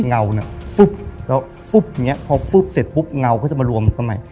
เงาเนี่ยฟึ๊บแล้วฟึ๊บอย่างนี้พอฟึบเสร็จปุ๊บเงาก็จะมารวมกันใหม่